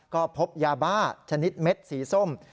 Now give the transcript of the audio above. ก็พบยาบ้าชนิดเม็ดสีส้ม